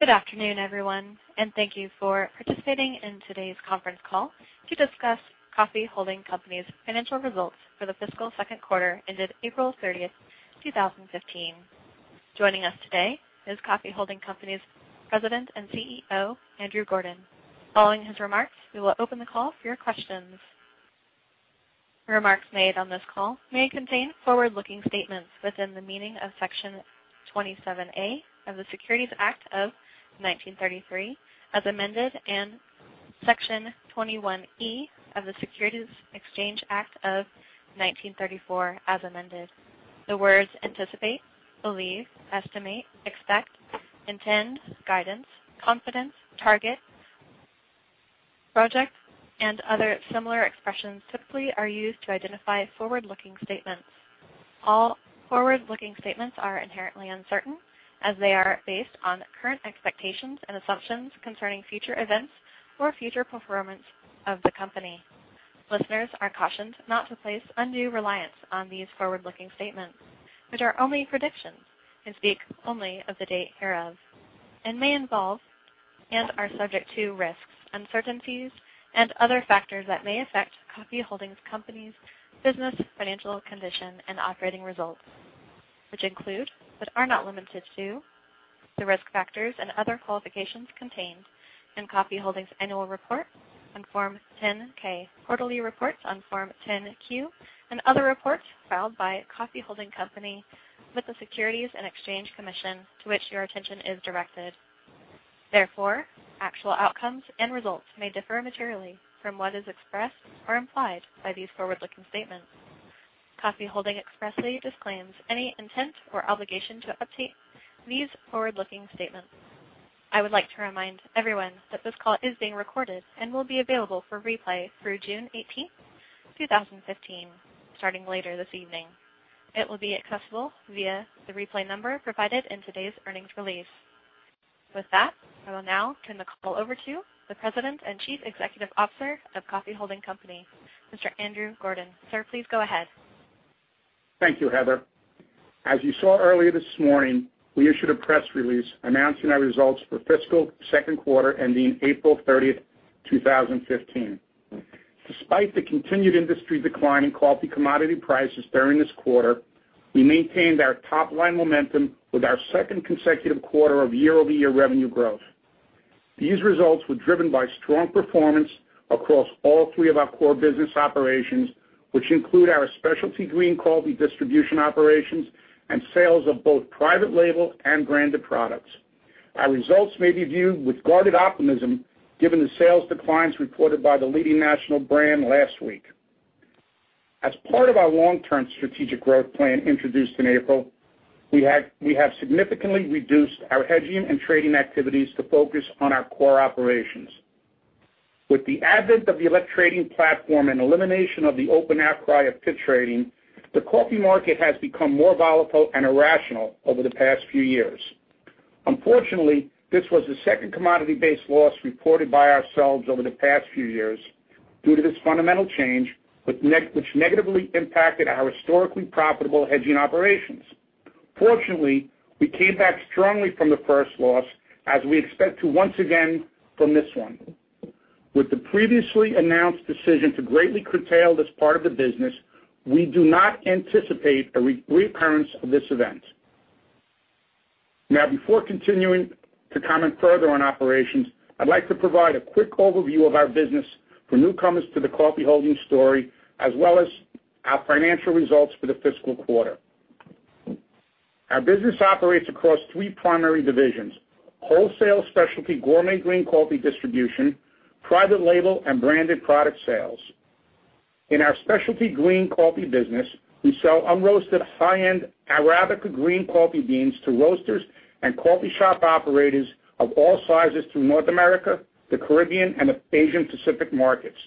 Good afternoon, everyone, thank you for participating in today's conference call to discuss Coffee Holding Company's Financial Results for the Fiscal Second Quarter ended April 30th, 2015. Joining us today is Coffee Holding Company's President and CEO, Andrew Gordon. Following his remarks, we will open the call for your questions. Remarks made on this call may contain forward-looking statements within the meaning of Section 27A of the Securities Act of 1933, as amended, and Section 21E of the Securities Exchange Act of 1934 as amended. The words anticipate, believe, estimate, expect, intend, guidance, confidence, target, project, and other similar expressions typically are used to identify forward-looking statements. All forward-looking statements are inherently uncertain as they are based on current expectations and assumptions concerning future events or future performance of the company. Listeners are cautioned not to place undue reliance on these forward-looking statements, which are only predictions and speak only of the date hereof, and may involve and are subject to risks, uncertainties, and other factors that may affect Coffee Holding Company's business, financial condition, and operating results, which include, but are not limited to, the risk factors and other qualifications contained in Coffee Holding Annual Report on Form 10-K, quarterly reports on Form 10-Q, and other reports filed by Coffee Holding Company with the Securities and Exchange Commission, to which your attention is directed. Therefore, actual outcomes and results may differ materially from what is expressed or implied by these forward-looking statements. Coffee Holding expressly disclaims any intent or obligation to update these forward-looking statements. I would like to remind everyone that this call is being recorded and will be available for replay through June 18, 2015, starting later this evening. It will be accessible via the replay number provided in today's earnings release. I will now turn the call over to the President and Chief Executive Officer of Coffee Holding Company, Mr. Andrew Gordon. Sir, please go ahead. Thank you, Heather. As you saw earlier this morning, we issued a press release announcing our results for fiscal second quarter ending April 30th, 2015. Despite the continued industry decline in coffee commodity prices during this quarter, we maintained our top-line momentum with our second consecutive quarter of year-over-year revenue growth. These results were driven by strong performance across all three of our core business operations, which include our specialty green coffee distribution operations and sales of both private-label and branded products. Our results may be viewed with guarded optimism given the sales declines reported by the leading national brand last week. As part of our long-term strategic growth plan introduced in April, we have significantly reduced our hedging and trading activities to focus on our core operations. With the advent of the electronic trading platform and elimination of the open outcry of pit trading, the coffee market has become more volatile and irrational over the past few years. Unfortunately, this was the second commodity-based loss reported by ourselves over the past few years due to this fundamental change which negatively impacted our historically profitable hedging operations. Fortunately, we came back strongly from the first loss, as we expect to once again from this one. With the previously announced decision to greatly curtail this part of the business, we do not anticipate a reoccurrence of this event. Now, before continuing to comment further on operations, I'd like to provide a quick overview of our business for newcomers to the Coffee Holding story, as well as our financial results for the fiscal quarter. Our business operates across three primary divisions: wholesale specialty gourmet green coffee distribution, private label, and branded product sales. In our specialty green coffee business, we sell unroasted high-end Arabica green coffee beans to roasters and coffee shop operators of all sizes through North America, the Caribbean, and Asian Pacific markets.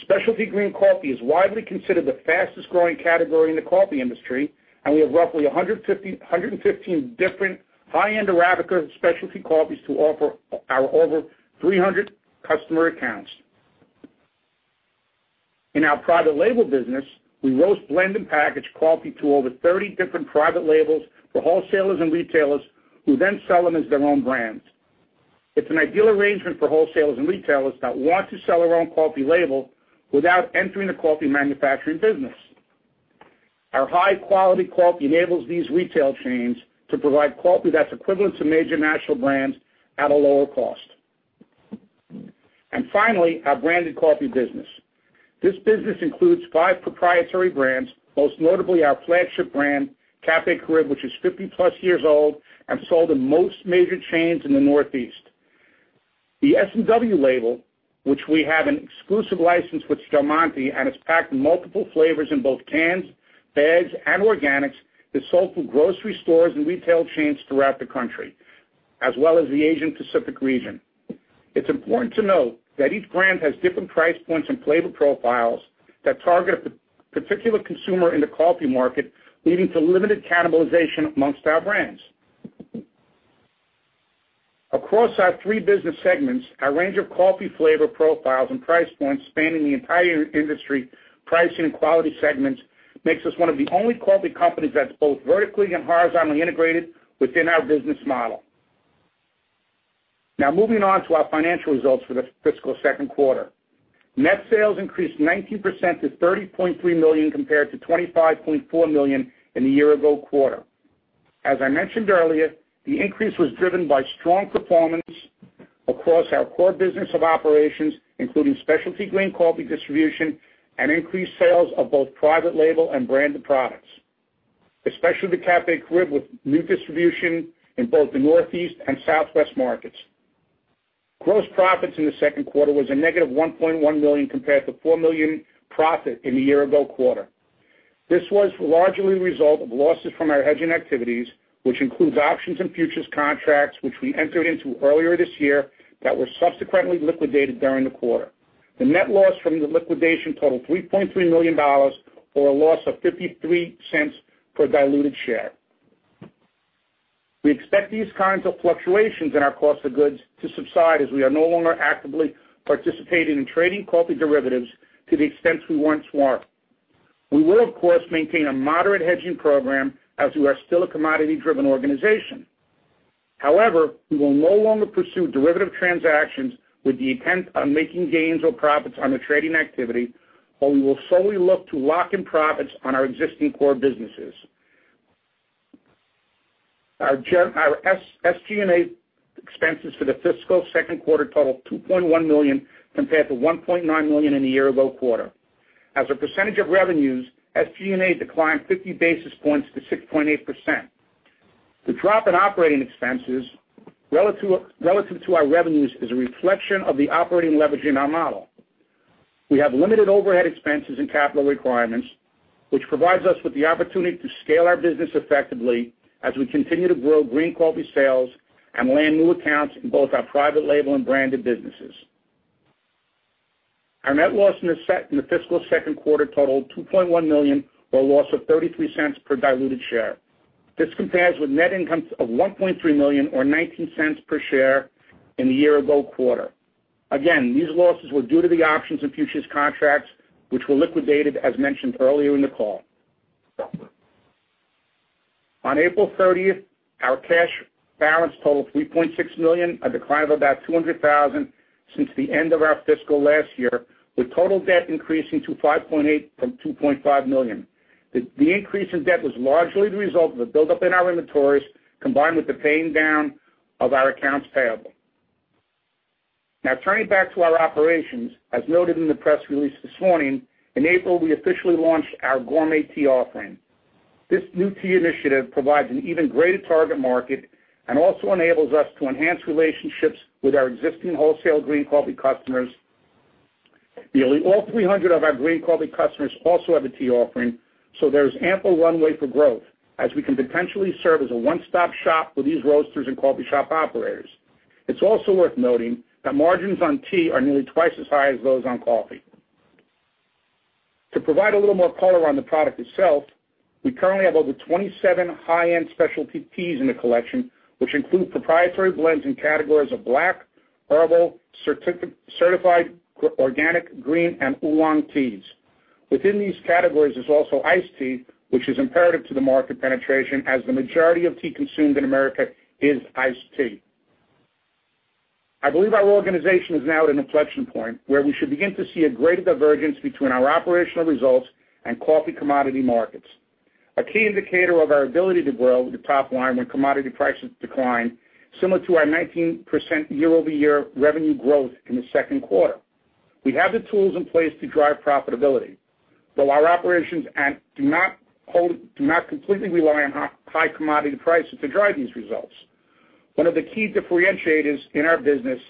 Specialty green coffee is widely considered the fastest-growing category in the coffee industry, we have roughly 115 different high-end Arabica specialty coffees to offer our over 300 customer accounts. In our private label business, we roast, blend, and package coffee to over 30 different private labels for wholesalers and retailers who then sell them as their own brands. It's an ideal arrangement for wholesalers and retailers that want to sell their own coffee label without entering the coffee manufacturing business. Finally, our branded coffee business. This business includes five proprietary brands, most notably our flagship brand, Café Caribe, which is 50-plus years old and sold in most major chains in the Northeast. The S&W label, which we have an exclusive license with Del Monte, and it's packed multiple flavors in both cans, bags, and organics, is sold through grocery stores and retail chains throughout the country, as well as the Asian Pacific region. It's important to note that each brand has different price points and flavor profiles that target a particular consumer in the coffee market, leading to limited cannibalization amongst our brands. Across our three business segments, our range of coffee flavor profiles and price points spanning the entire industry pricing and quality segments makes us one of the only coffee companies that's both vertically and horizontally integrated within our business model. Moving on to our financial results for the fiscal second quarter. Net sales increased 19% to $30.3 million compared to $25.4 million in the year ago quarter. As I mentioned earlier, the increase was driven by strong performance across our core business of operations, including specialty green coffee distribution and increased sales of both private label and branded products, especially the Café Caribe with new distribution in both the Northeast and Southwest markets. Gross profits in the second quarter was a negative $1.1 million compared to $4 million profit in the year-ago quarter. This was largely the result of losses from our hedging activities, which includes options and futures contracts, which we entered into earlier this year that were subsequently liquidated during the quarter. The net loss from the liquidation totaled $3.3 million or a loss of $0.53 per diluted share. We expect these kinds of fluctuations in our cost of goods to subside as we are no longer actively participating in trading coffee derivatives to the extent we once were. We will, of course, maintain a moderate hedging program as we are still a commodity-driven organization. We will no longer pursue derivative transactions with the intent on making gains or profits on the trading activity, but we will solely look to lock in profits on our existing core businesses. Our SG&A expenses for the fiscal second quarter totaled $2.1 million compared to $1.9 million in the year ago quarter. As a percentage of revenues, SG&A declined 50 basis points to 6.8%. The drop in operating expenses relative to our revenues is a reflection of the operating leverage in our model. We have limited overhead expenses and capital requirements, which provides us with the opportunity to scale our business effectively as we continue to grow green coffee sales and land new accounts in both our private label and branded businesses. Our net loss in the Fiscal 2nd quarter totaled $2.1 million or a loss of $0.33 per diluted share. This compares with net income of $1.3 million or $0.19 per share in the year-ago quarter. These losses were due to the options and futures contracts, which were liquidated as mentioned earlier in the call. On April 30th, our cash balance totaled $3.6 million, a decline of about $200,000 since the end of our fiscal last year, with total debt increasing to $5.8 million from $2.5 million. The increase in debt was largely the result of a buildup in our inventories combined with the paying down of our accounts payable. Turning back to our operations, as noted in the press release this morning, in April, we officially launched our gourmet tea offering. This new tea initiative provides an even greater target market and also enables us to enhance relationships with our existing wholesale green coffee customers. Nearly all 300 of our green coffee customers also have a tea offering, there's ample runway for growth as we can potentially serve as a one-stop shop for these roasters and coffee shop operators. It's also worth noting that margins on tea are nearly twice as high as those on coffee. To provide a little more color on the product itself, we currently have over 27 high-end specialty teas in the collection, which include proprietary blends in categories of black, herbal, certified organic, green, and oolong teas. Within these categories is also iced tea, which is imperative to the market penetration as the majority of tea consumed in America is iced tea. I believe our organization is now at an inflection point where we should begin to see a greater divergence between our operational results and coffee commodity markets. A key indicator of our ability to grow the top line when commodity prices decline, similar to our 19% year-over-year revenue growth in the second quarter. We have the tools in place to drive profitability, while our operations do not completely rely on high commodity prices to drive these results. One of the key differentiators in our business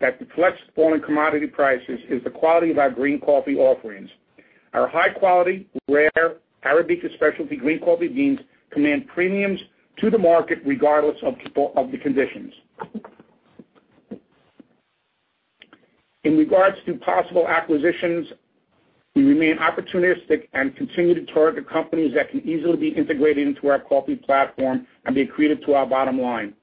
that deflects falling commodity prices is the quality of our green coffee offerings. Our high quality, rare Arabica specialty green coffee beans command premiums to the market regardless of the conditions. In regards to possible acquisitions, we remain opportunistic and continue to target companies that can easily be integrated into our coffee platform and be accretive to our bottom line.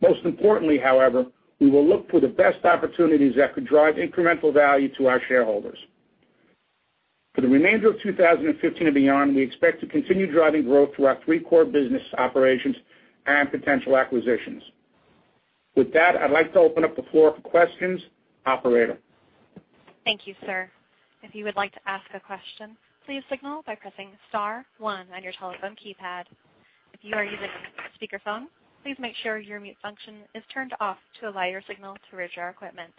Most importantly, however, we will look for the best opportunities that could drive incremental value to our shareholders. For the remainder of 2015 and beyond, we expect to continue driving growth through our three core business operations and potential acquisitions. With that, I'd like to open up the floor for questions. Operator? Thank you, sir. If you would like to ask a question, please signal by pressing star one on your telephone keypad. If you are using a speakerphone, please make sure your mute function is turned off to allow your signal to reach our equipment.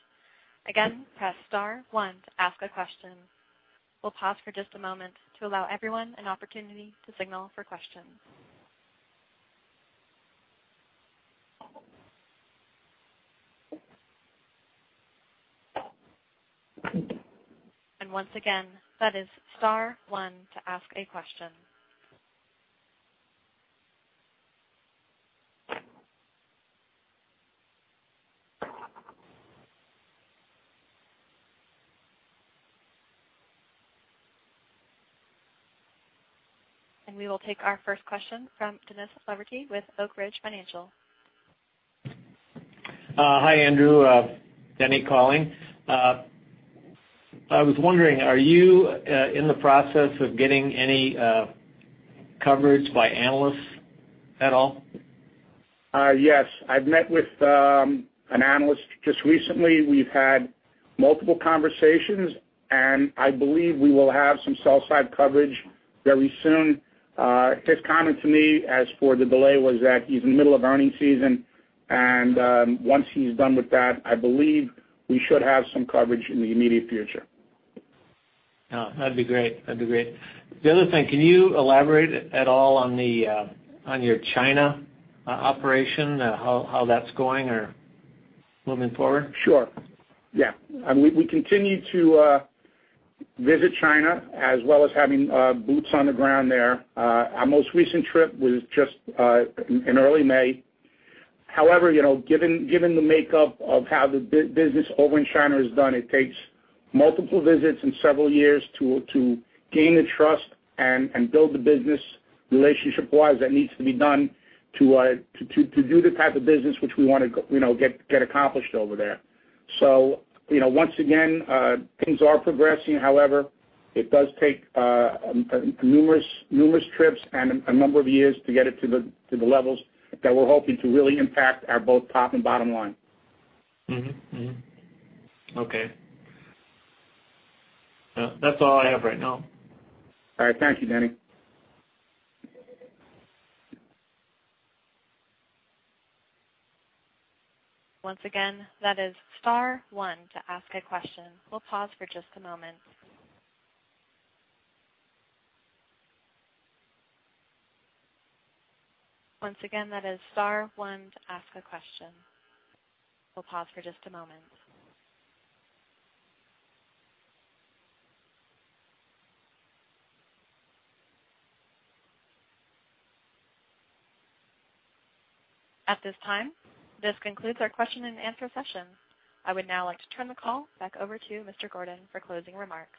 Again, press star one to ask a question. We'll pause for just a moment to allow everyone an opportunity to signal for questions. Once again, that is star one to ask a question. We will take our first question from Dennis Leverty with Oak Ridge Financial. Hi, Andrew. Dennis calling. I was wondering, are you in the process of getting any coverage by analysts at all? Yes. I've met with an analyst just recently. We've had multiple conversations. I believe we will have some sell side coverage very soon. His comment to me as for the delay was that he's in the middle of earnings season. Once he's done with that, I believe we should have some coverage in the immediate future. Oh, that'd be great. That'd be great. The other thing, can you elaborate at all on the on your China operation, how that's going or moving forward? Sure, yeah. I mean, we continue to visit China as well as having boots on the ground there. Our most recent trip was just in early May. However, you know, given the makeup of how the business over in China is done, it takes multiple visits and several years to gain the trust and build the business relationship-wise that needs to be done to do the type of business which we wanna you know, get accomplished over there. You know, once again, things are progressing. However, it does take numerous trips and a number of years to get it to the levels that we're hoping to really impact our both top and bottom line. Mm-hmm. Mm-hmm. Okay. That's all I have right now. All right. Thank you, Dennis. Once again, that is star one to ask a question. We'll pause for just a moment. Once again, that is star one to ask a question. We'll pause for just a moment. At this time, this concludes our question-and-answer session. I would now like to turn the call back over to Mr. Gordon for closing remarks.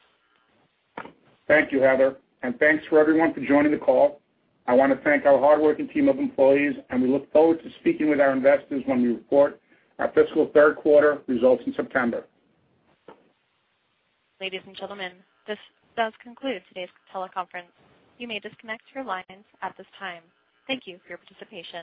Thank you, Heather, and thanks for everyone for joining the call. I wanna thank our hardworking team of employees, and we look forward to speaking with our investors when we report our fiscal third quarter results in September. Ladies and gentlemen, this does conclude today's teleconference. You may disconnect your lines at this time. Thank you for your participation.